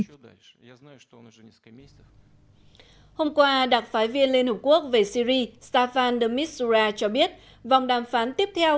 hôm qua đặc phái viên liên hợp quốc về syri staffan demisura cho biết vòng đàm phán tiếp theo